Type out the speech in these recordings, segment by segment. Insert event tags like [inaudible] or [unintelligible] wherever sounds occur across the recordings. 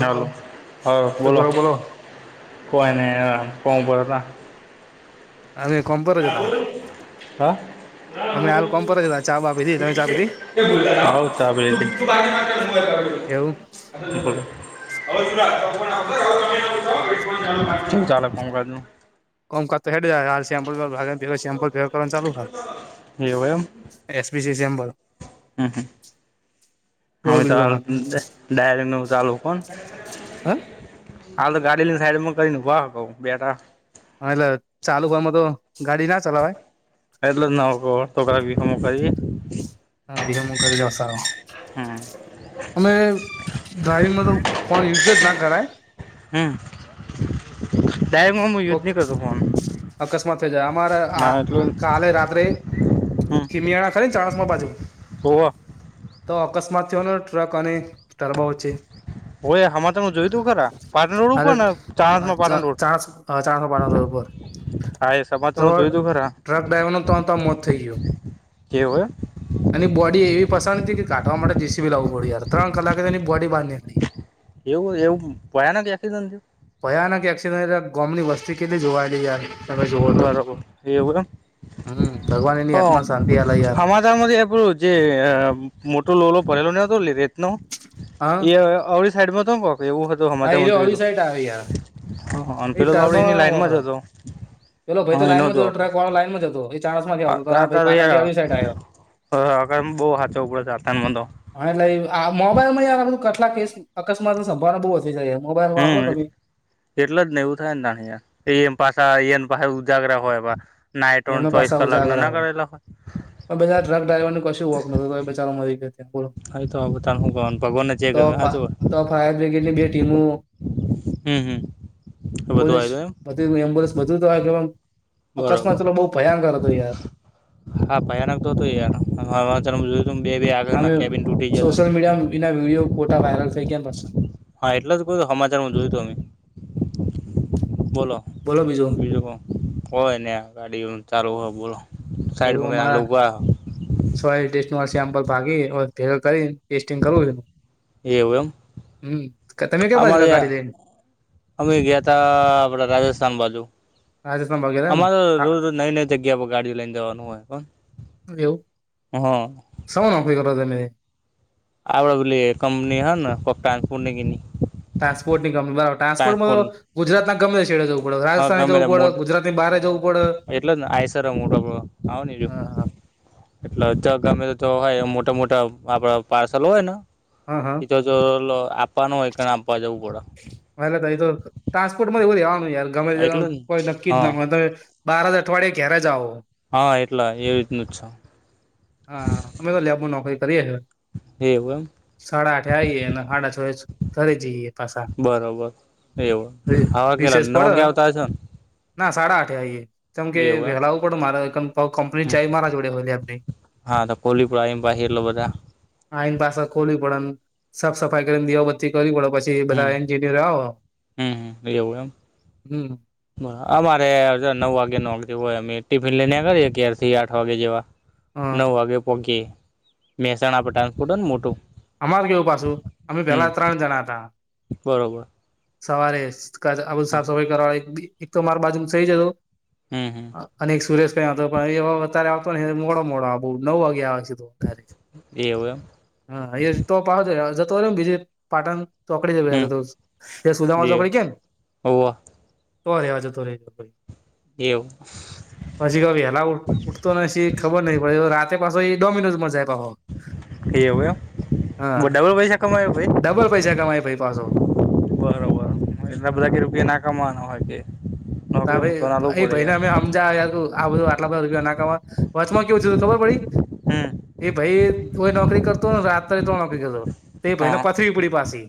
હાલો હવે શું બોલો કરો કોઈને કોમ બ તા અમે કોમ્પ જ હતા હા અમે હાલ કોમ્પ જ હતા ચા બા પીઘી તમે ચા પીધી આવ ચા પીવા એવું બોલો કેમ ચાલે કામકાજ કમકા જ હેડયા આ સેમ્પલ સેમ્પલ ભેગર કરવા ચાલુ હાલ એવું એમ એસપી સી ચેમ્બર હમ હ બોલો અમે બીજું તાલ તમારે ડાયરી ન ચાલું પણ હ હા તો ગાડીની સાઈડમાં કરીને વા કઉ બેટા હાલો ચાલુ કામ તો ગાડી ના ચલાવાય એટલે જ ના કર તોકરા વિખમો કરી હ વિહ મુુ ઘર જાતા હું. હમ. અમે ડ્રાઈવંગમાં તો ફોન યુઝ જ ના કરાય હમ દાયકમાં હું યુજ કોક નહી કરતો ફોન અકસ્માત થઈ જાય અમારે આ ના એટલું કાલે રાત્રે ખીમિયાણા ખરી ને ચાણસમાં બાજુ હોવ તો અકસ્માત થયો ને ટ્રક અને ટરબો વચ્ચે હોવે સમાચાર હું જોયું તું ખરા પાટણ રોડ અરે ઉપર ને ચાણસમાં ચ પાટણ રોડ ચાર ચારસો પારસોર હા એ સમાચાર તો હું જોયું તું ખરા ટ્રક ડ્રાઈવર ન ત્રણ ત્ર મોત થઈ ગયું. એવું હે. એની બોડી એવી ફસાણી હતી કે કાઢવા માટે જીસી લાવવું પડડીર ત્રણ કલાકે એ બોડી બહાર નીકળી એવું એવું ભયાનક એસ્કિડ ભયાન કે એક્સિડ ગોમની વસ્તી કેટલી જોવાયેલી જાય તમે જોવો થયું તો બરાબર એવું એમ હમ ભગવાન એની તો આત્મા શાંતિ અલા યાર જે મોટો લોલો ભરાયલો નતો ર નો હા એ અળી સાઈડમાં તો પક એવું હત હા એ હમાચારમાં જોય અળી હતું. સાઈટ આવે યાર અને એ પેલો તો આપડે ટર્બા એની લાઈનમાં વખર જ હતો પેલો ભાઈ તો લાઈનમાં જ હતો ટ્રક વાળો લાઈન જ હતો આકા આ ભાઈ પાટણથી તરીયા અળી સાઈડ આવ્યો આગળ બહુ સાચવ પડે છે આથમાં તો હા એટલે આ મોબાઈલ માં યાર આપધું કેટલા કેસ અકસ્માત ની સંભાવના બહુ વધી મોબાઈલ હમ વારો તમે એટલે જ ને એવું થાય ને ના એમ પાછા એમ પાછ ઉજાગરા હોય નાટો ચોઈસ કલા ના કરેલા હોય. આ બઘા ટ્રક્રાઈવર નો કશું વાકનોતો એબચારો મરીગયો હા તો બધને શું ગવાનું ભગવાનને જે તો ગમે હા જો તો ફાયર બ્રિગેડ ની બે ટીમો હમ હમ આ બધું આ પોલીસ રહું એમ બધું એમ્બુલન્સ બધુંજ આંજવાનું બરોબર. લો બહુ ભયંકર હતો યાર હા ભયાનક તો હતું યાર જોય બે બે આગળ અમે કેબિન તૂટી જ સોશિયલ મીડિયામાં એના વિડીયો પોતા વાયરલ થઈ ગયા પસંદ હા એટલે જ કોઈ સમાચારમાં જોયું તો અમે બોલો બોલો બીજું પેલા બ કોય ને ગાડી ચાલુ હો બોલો સાઈડ એવું માં કઈને આ લોકો અમારા ઉભા સોઈલ ટેસ્ટ સેમ્પલ ભાગી ભેગ કરીને ટેસ્ટિંગ કરવું. એવું એમ હમ્મ તમે કે અમારે બાજુતા ગાઢી દઈને. અમે ગયા તા આપડા રાજસ્થાન બાજુ. રાજસ્થાન વગેરે અમારે રોજ-રોજ નવી-નવી જગ્યા પર ગાડી લઈને જવાનું હોય પણ. એવું હ. [unintelligible] આપડે પેલી કંપની હ ને કપ્તાન પુણગિની. ટ્રાસપોર્ટની કંપની બ ટ્રાન્સપર્ટમા તો ગુજરાતના ગમે છેડે જઉં. હ રાજસ્થાને જવું પડ. ગુજરાતની બહરે જવું પડ. એટલ જને આયસ મોટોડ આવ ને જો. હા હા એટલે ગમે તો જો હો મોટા-મોટા આપડા પાર્સલ હોય ને હા એતો. હા જો આપવાનું હોય તેને આપવા જવું પડે. હ તઈ તો ટ્રાન્સપોર્ટમા એવું જ રેવાનું યાર ગમે તે એટલે જ ને કો નક્કી હા જ નો. બાર જ અઠવાડિયે ઘેરે જાવો. હા એટલા એવી રીતનું જ છે. હા અમે તો લેબનુ નોકરી કરીએ હે. એવું એમ. સાડા આઠે આવીએ અને હાડા છ ઘરે જઈએ પાછા. બરોબર એવું આવો કયારે રિસેસ નવ પડે વાગ્યા આવતા હશો ને. ના સાડા આઠે આઇય કેમ કે એવું એમ વેલા આવું પડે મારે ક કંપલિટ હમ ચાવી મારા જોડે લેબની. હા તો કોલીપુર આવીને પાછી એટલે બધા આઈને પાસે ખોલી પડે ને સાફ સફાઈ કરીને દીવાબત્તી કરવી પડે પછી બધા એન્જિનિયર આવ. હમ્મ એવું એમ. હમ્મ. અમારે જો નવ વાગ્યા નોકરી હોય અમે ટિફિન લઈને નેકડીએ ઘેરથી આઠ વાગે જેવા. હા નવ વાગે પોહકિયે મહેસાણા પટાપૂટું ને મોટું. અમાર કેવું પાછું અમે હમ પેહલા ત્રણ જણા હતા. બરોબર. સવારે આ બધ હમ સાફ સફાઈ કરવા એક તો માર બાજુ સઈ જતો. હમ્મ. અને એક સુરેશ કરીને આવતો હતો પણ એ અત્યારે આવતો ને મોડા મોડો નવ વાગે આવે છે તો. એવું એમ હા એ તો પ જતોમ બીજે પાટણ. ચોકડી હમ જ સુદા એવું ચોકડી કે. હોવ તોહ રેવા જતો રય. એવું. પછી ક વેલા ઉઠતો છી ખબર નહી પછી રાતે પાછો એ ડોમિનોઝમાં જાય પાછો. એવું એમ હા ડબલ પૈસા કમાયો ભાઈ ડબલ પૈસા કમાય ભઈ પાછો. બરોબર. એટલા બધા કે રૂપિયા ના કમાવાના હોય કે તા નોકરી તો ના લવું ભાઈ એ પડે ભાઈને અમે યાર. આ બધું અટલા બધા રૂપિયા નો કમાય. વચમાં કેવું થું ખબર પડી હમ એ ભાઈ કોય નોકરી કરતોને રાત્રે તો નોકરી કરતો. તે ભાઈને હા પથરી પુડી પાસી.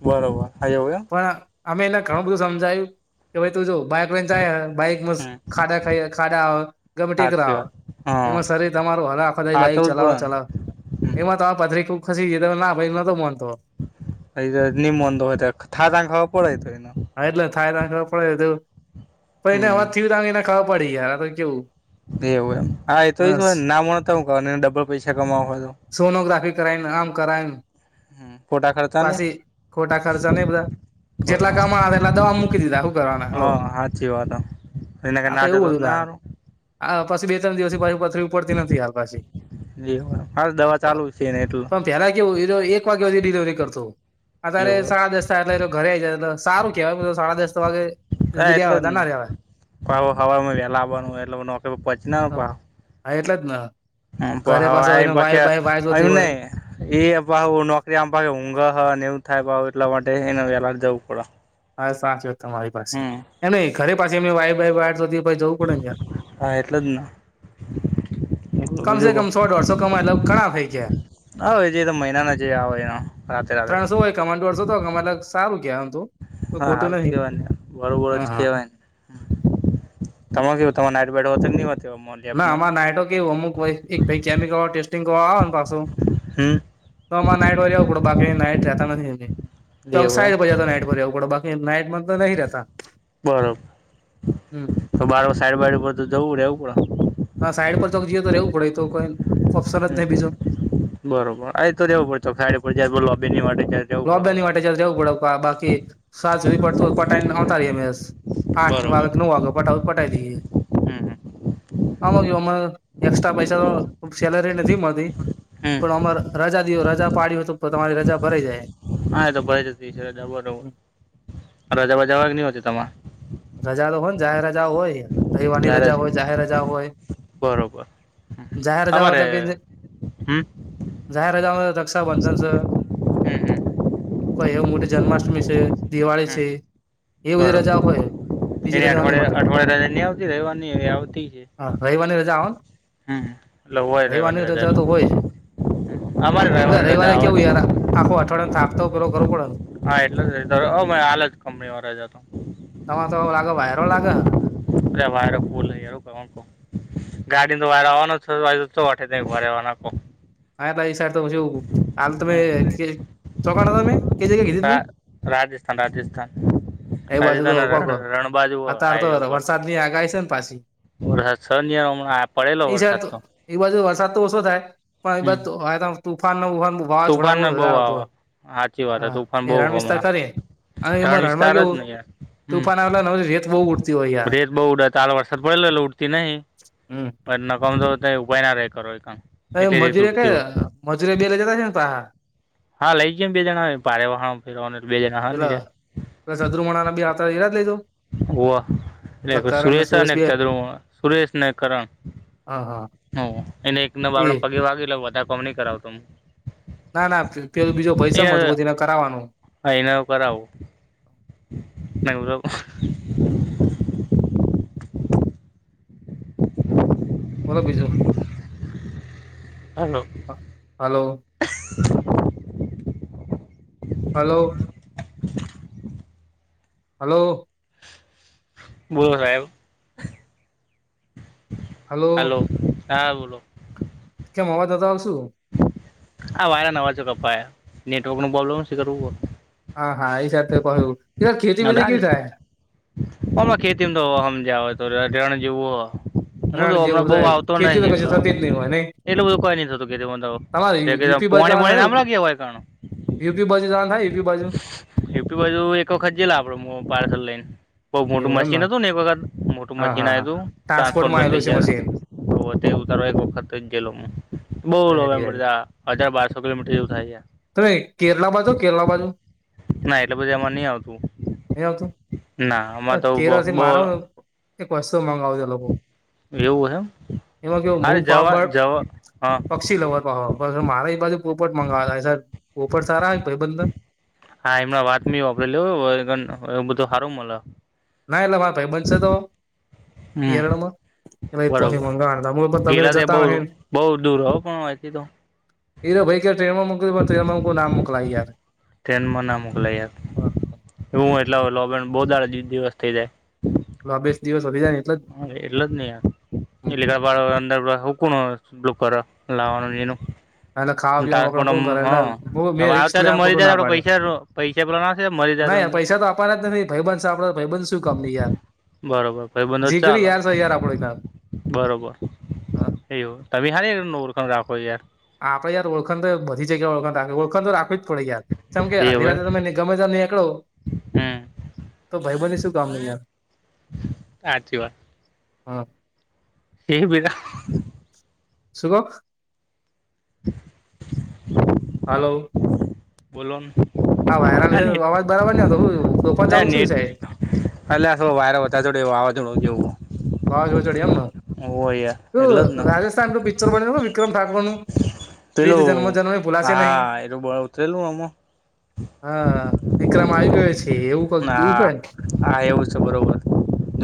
બરોબર હાવય. પણ અમે એને ઘણું બધું સમજાયું કે ભાઈ તું જો બાઈક લઈને જાય હ. બાઈક વસ હમ ખાડા ખાઈ ખાડા ગમે ટેકરા સાચી આવે વાત હ. હા એમાં સરરી તમારું હરાખો બાઈક સાચવું જ પડે ચલાવો ને ચલાવો. હમ એમાં તો આ પથરી ખુબ ખસી ગઈ તો ના ભાઈ નતો મોનતો. ની મોનતો હોય તો થા ત્યારે ખબર પડે એતો. હા, એટલે થાય તને ખબર પડે પણ એને હવા હમ થયું ત એને ખબર પડી યાર તો કેવું. એવું એમ હા એ તો એ હ હોય, ના મળતા હું ડબલ પૈસા કમાવો હોય. સોનોગ્રાફી કરાવી આમ કરાયન. હમ્મ, ખોટા ખર્ચોને ખોટા ખર્ચા નહી બધા જેટલા કમાયા એટલા દવા મૂકી દીધા હુ કરવાના હા ચી વાત. એના તો કરતા એવું [unintelligible] ત બધું ણી થાય હારું. આ પછી બે-ત્રણ દિવસની પાછી પથરી ઉપડતી નથી હાલ પાછી હાલ દવા ચાલુ છે ને એટલે પહેલા કેવું એરો એક વાગ્યા સુધી ડિલિવરી કરતો. અત્યારે એવુ. સાડા એટલે ઘરે આવી જાય એટલે સારું કેવાય સાડા દસ વાગે સુધી રહેતા વધાર ના રેવાય ના, હવે સવારના નોકરીએ આવવાનું [unintelligible] [unintelligible] હા, એટલે જ ને. હા, તો ઘરે પાછો સવારે એ એને વાય બાકી બાય વાય જોતી એમને હોય એ પાછો નોકરીમાં ઊંઘે છે ને હું કરે છે એટલા માટે જવું પડે સવારે વહેલા. હા, સાચી વાત તમારી પાસે એ ન ઘરે પાસે એમને અવાઈ સુધી ભાઈ જવું પડે ને યાર. હા, એટલે જ ને. કમસે બીજું કો કમ સો-ડોઢસો કમાઈ એટલે ઘણા થઈ ગયા. હા, જે મહિનાના જે આવે એ રાત્રે-રાત્રે તો. સો દોઢસો કમાય એ તો સારું કહેવાય. હા, હારું જ કહેવાય ને, બરોબર હા કહેવાય તમેં કેવો તમારે [unintelligible] હો તો નહી વાત ના, અમારે નાઈટમાં કેવું અમુક કેમિકલ ટેસ્ટિંગ કરવા આવેને પાછું હમ્મ. તો અમારે નાઈટમાં જવું પડે બાકી નાઈટ રહેતા નથી, એવું એમ ચોકસાઇ [unintelligible] નાઈટ વાર [unintelligible] બાકી નાઇટમાં તો નથી રહેતા. બરોબર, તો બાર સાઈડ બાઈટ બધું જવું એવું પડે હા, સાઈડ પર તો રહેવું પડે તો કોઈને હમ્મ, બરોબર સાઈડ પર રહેવું પડે, એબાજુ લોબી ને એ બાજુ. લોબીની માટે ચાલતું જવું પડે બાકી સાજ સુધી પ પતાવીને આવતા રેય. આઠ બરોબર વાગ્યા, નવ વાગ્યા પટેલ પતાવી દઈએ. હમ આમાં અને એકસ્ટ્રા પૈસા તો સેલેરી નથી મળતી. હમ પણ અમારે રજા પાડી હોય તો તમારી રજા ભરાઈ જાય. હા, એ તો ફરજીયાત છે રજા જવા જ નહી હો તમાર રજા તો હોય ને? જાહેર રજા હોય, રવિવારની ઘરે રજા જ હોય, જાહેર રજા હોય. બરોબર જાહેર રજા તમારે જેવું હમ જાહેર રક્ષાબંધન છે. હમ હમ કોઈ એ મોટી જન્માષ્ટમી છે, દિવાળી હમ છે એ બધી બરોબર રજા હોય. બીજી એની રજા નહી અઠવાડિયે હોતીહા, અઠવાડિયે રજા નહી આવતી રહેવાની એ આવતી છે. રવિવારની રજા આવે? હમ. એટલે હોય રહેવાની રવિવારની રજા એટલે તો હોય, અમારે એટલે રહેવાની રજા રવિવારે આવે જ કેવું યાર છે. અઠવાડીયાનો થાક તો પેલો પૂરો કરવો પડે ન હા, એટલે જ આપેજ કંપનીવાળા તો. તમને તો લાગે ત્યાં સુધી [unintelligible] અરે વાયરો ફુલહ હું કરવાનો ગાડીને તો વારો આવવાનો છે તો હવે પછી હા, એ સાઈડ તો શું હાલ તમે ચોકન હો તમે કે જગ્યા કીધી તમે રા લા રાજ્સ્થાન રાજ્સ્થાન એ બાજુ તો રાજસ્થાન કોક રણ બાજુ અતાર તો હાઈવે ઉપર ગયો વરસાદની આગાહી છે ને પાછી હતો. વરસાદ છે નય હમણાં પડેલો એ વરસાદ તો ભાઈ હમ. બંધ તુફાન બુફાન તુફાન ને બહુ આવે સાચી વાત હા તુફાન એ બહુ રણ વિસ્તાર હોમણાં ખરી અને એમાં રણ રણમાં વિસ્તાર જ કેવું ને હમ તુફાન આવેલા ને રેત બહુ ઉડતી હોય યાર રેત બહુ ઉઠે કાલવરસાદ પડે ઉઠતી નહિ હમ પણ ન કમજોર તો ઉપાય ના રહે કરો એ કામ એટલી રીત મજૂરે ક ઉડતી હોય મજૂરે બેલા જતા છે ને ત હા લઈ ગયમ બે જણા પાારે વાહણ ફવા બે જણા હ્યા પ અદરુમણા ના બી આ હતા રાજ લઈધું ઓહ એટલે સુરેશ સુરેશને બે ચદરોું સુરેશને કરણ હા હા હ એને એક ન એ આપડ પગે વાગી લઉ બધા કોમ નહી કરાવતો હ ના ના પે બીજો પૈસા મજબૂતીને કરાવવાનું હ એનાું કરાવું નગરાબ ઓતા બિઝનેસ હનું [inaudible] હલોો હલો હલો બોલો સાહેબ હલો હલોો હા બોલો કેમ અવાજદાતા આવશું હા વાયરા નવાજો કપા નેટવર્ક નો પ્રોબ્લેમ કરવું હા હા એ સાથે ત કહ્યું એ ખેતી બેતી કેવી થાય રાજસ્થાન હલો ખેતીમાં તો સમ જાાવય તો રણ જેવું હો હું તો રણ જેવું હમણાં બઉ થાય આવતો ખેતી નહિ તો એટલો કશું થતી જ નહી હોય નહી એટલું બધું કોઈ નઈ થતું તમારે કેીધું પોણી બણી નામ લાગી હોયણ યુી બજ જ થાય યુપી બાજુ એુપી બાજુ એક વખત જેલા આપડ પાર્સલ લઈને બઉ મોટું એવું એમને મશીન હતું ને એક વખત મોટું હા મશીન હા આવ હા તું ટ્રાન્સપોર્ટમાં ટ્રાન્સપોર્ટ થ આવેલું જ છે મશીન તો તે ઉતારો એક વખત જ જેલો હું બહ લોકો રેડી એમ કર રેડી ત હજાર બારસો કિલોમીટર જેવું થાય છે તમે કેરલા બાજુ કેરલા બાજુ ના એટલે બધી આમાં નહી આવતું નહી આવતું ના આમાં તો બ કેરળથી બહુ મારો એક વસ્તુ મગાવજો એવું હેમ એમાં કે મૂ અરે જવા પબાર જવા હા પક્ષી લવા પહ [unintelligible] મારા પાજુ પોપટ મગવાાયબ પોપટ સારા ભાઈ બંધન હા એમં વાતમી વાપરેલ બધું હારું મ ના એટલા મા ભાઈ બનશે તો હમ કેિરળમાં એ ભ તો બરોબર મંગવાના ગેલા ત્યાં જતા બઉ ન બઉ દૂર હો પણ અહીંથી તો [inaudible] એ ભાઈ કે ટ્રે માં મોકલી માં નામ મોકલાય યાર ટ્રેનમાં ના મોકલાય એવું એટલાબ બહુ દાડ દિવસ થઇ જાય હ બેસ દિવસ વધીાય ને એટલે જ હા એટલે જ નહ યાર એટલેળ અંદર હક બ્લુ કલર લાવવાનું એ અને ખાવા પીવાનુંડે કર એટલે મેં રી્સ લેમ ખોટું ના પાડે તે પ્ર મરી જાય નાહીંયાર અંદર પૈસા તો આપવાના જ નથી ભાઈબંધ સા આપડા ભાઈબંધ શું કામની યાર બરોબર ભાઈબંધો જીકરી ચાલે યાર છે યાર આપડી ત્યાામ બરોબર એવું તમે હાાર ન ઓળખણ રાખો યાર આપણે યાર ઓળખડ બધી જગ્યા ઓળખખ ઓળખણ તો રાખી થોડી યાર કેમ કે એ આધી હવે રાતેે તમેને ગમે ત ન એકકળો હમ તો ભાઈ બની શું કામ નહીં યાર આચ વા હા. હે બીરા. સુુંભ. [inaudible] હાલો. બલોન. આ વાયરા ન લીધે અવાજ બરાબર નહી આવતો હું તોફાન ચાલુ થયું સાહેબ. અટ વાયરે વધ થોડ વાવા જેવું. વાવાઝોડું ચડ્યું એમ હોવે યાર ને એટલે જ ઓલું રાજસ્થાનું પિક્ચર બન્યું ખબર હ વિક્રમ ઠાકોર નું. પ્રીત જન્મો પેલું જન્મે ભૂલાશે નહીં હા એ બ ઉતરેલું આમ હા વિક્રમ આવી ગયો છે એવું ક કેવું છે હા ને. હા એવું છે બરોબર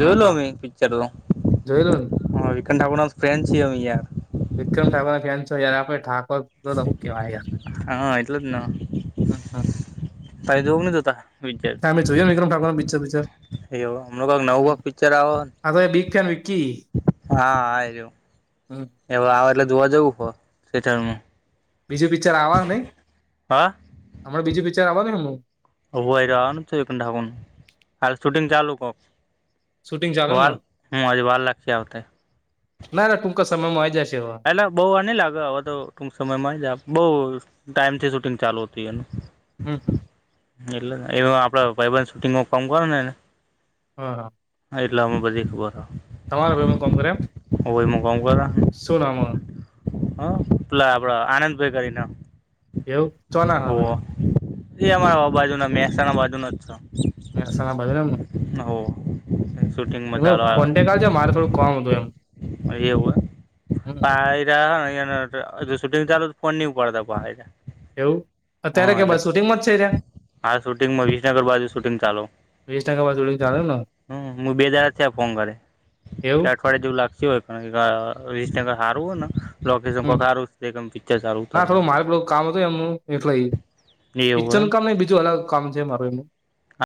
હા હા ચડું જોયેલું ને હ વીક આપણે ફ્રેન્ છે યાર. વિક્રમ ઠાકોર ના ફેન છો જય્યારે આપણે ઠાકોર બલો ઓકે વા યાર હા એટલે જ ને હમ હમ. તમે જોવ નહી જોતા તમે જોયુ વિક્રમ ઠાકોર પીચર વી એવ હમું કઈક નવું પિક્ચર આવ હ ન. અ બીકન વિકિ. હા આયરો જો એ આવે એટલે જોવા જવું હો થેટર માં. બીજું પિક્ચર આવવા નહી હમણા બીજું પિક્ચર આવવા નહ હમું. હય રવાનું છે એ ઢાકું હા શૂટિંગ ચાલુ કક. શૂટિંગ ચાલે ના વાર લાગશે આવતે ના ટુક જ સમયમાં આવી જશે છે એવા. પેલા બહુ વાર નહ લાગે આવા તો ટૂંક સમય માં જ આપ બહુ ટાઈમથી શૂટિંગ ચાલુ હોતી એનું. હમ હ. એટલે એ આપડે ભાઈબ શૂટિંગ કામ કર નેને હા હા. હ એટલામાં બધી ખબર તમારા છે હયમ કામ કર સુુંનામાં. હ પેલા આપડા આનંદભાઈ કરી ના. એવું ચો ના હ ભવે. એ અમારા આ બાજુ ના મહેસાણા બાજુ ન જ છ. મહેસાણા બાજુ ને હોવ. શૂટિંગમાં એ ચાલુ આવ્યો કોન્ટેક આલજે મારે થોડું કોમ હતું એમ. એવું એમ. શૂટિંગ ચાલુ ફોન નહ ઉપડતા. એવું અત્યારે કે ભ શૂટિંગમાં જ છે એરા. હા શુટિંગમાં વિસનગર બાજુ શૂટિંગ ચાલો. વીસ ટકા બસ શૂટિંગ ચાલે ને હમ હું બે દાર થયા ફોન કરે. એવું. ડે જેવું લાગતી હોય વીસ ટકા સારવું હોય ને. લોકેશન હમ કોક સારું પિક્ચર સારું ના થોડું ઉતારવાનું મારે પેલુ કામ હતું એમનું એટલે. એવું પિક્ચર હોય એમ ન કામ ન બીજું અલગ કામ છે મારું એનું.